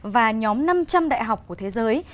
và nhóm năm trăm linh đại học của thế giới